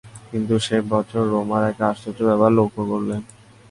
কিন্তু সে বছর রোমার এক আশ্চর্য ব্যাপার লক্ষ করলেন।